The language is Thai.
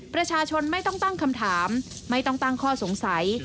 ประชาชนไม่ต้องตั้งคำถามไม่ต้องตั้งข้อสงสัย